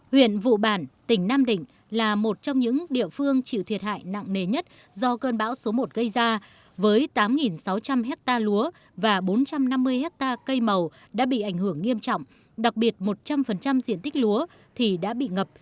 huyện vụ bản tỉnh nam định là một trong những địa phương chịu thiệt hại nặng nề nhất do cơn bão số một gây ra với tám sáu trăm linh hectare lúa và bốn trăm năm mươi hectare cây màu đã bị ảnh hưởng nghiêm trọng đặc biệt một trăm linh diện tích lúa thì đã bị ngập